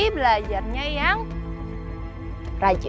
belajarnya yang rajin